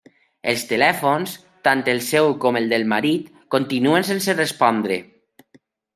Els telèfons, tant el seu com el del marit, continuen sense respondre.